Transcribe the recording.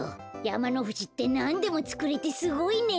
やまのふじってなんでもつくれてすごいね。